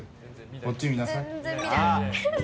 こっち見なさい。